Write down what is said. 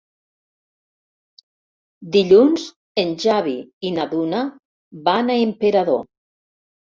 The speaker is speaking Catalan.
Dilluns en Xavi i na Duna van a Emperador.